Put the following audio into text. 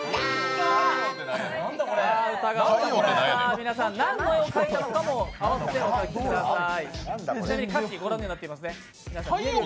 皆さん、何の絵を描いたのかもあわせてお書きください。